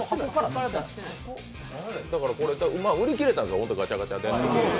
だから、売り切れたんです、本当はガチャガチャで。